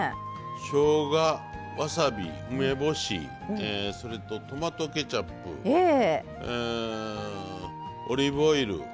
しょうがわさび梅干しそれとトマトケチャップオリーブオイル。